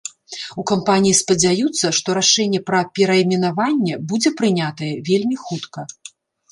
У кампаніі спадзяюцца, што рашэнне пра перайменаванне будзе прынятае вельмі хутка.